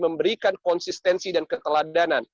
memberikan konsistensi dan keteladanan